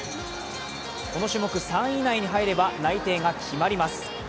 この種目３位以内に入れば内定が決まります。